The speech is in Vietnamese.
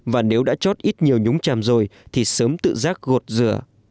và nếu đã chót ít nhiều nhúng chàm rồi thì sớm tự giác gột rửa